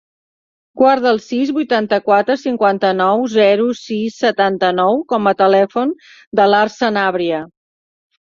Guarda el sis, vuitanta-quatre, cinquanta-nou, zero, sis, setanta-nou com a telèfon de l'Arç Sanabria.